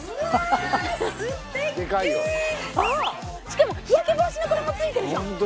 しかも日焼け防止のこれもついてるじゃん！